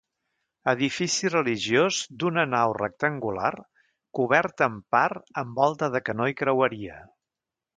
Edifici religiós d'una nau rectangular, coberta en part amb volta de canó i creueria.